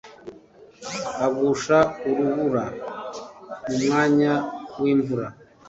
agusha urubura mu mwanya w'imvura